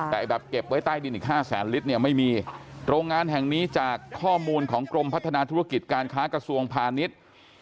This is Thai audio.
แต่แบบเก็บไว้ใต้ดินอีกห้าแสนลิตรเนี่ยไม่มีโรงงานแห่งนี้จากข้อมูลของกรมพัฒนาธุรกิจการค้ากระทรวงพาณิชย์